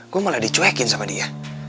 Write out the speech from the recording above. gue malah dicuekin sama dia